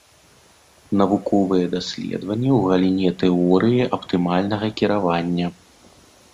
Навуковыя даследаванні ў галіне тэорыі аптымальнага кіравання.